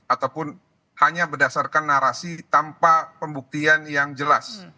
ataupun hanya berdasarkan narasi tanpa pembuktian yang jelas